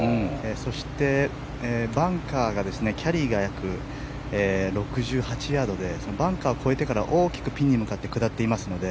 そして、バンカーがキャリーが約６８ヤードでバンカーを越えてから大きくピンに向かって下っていますので。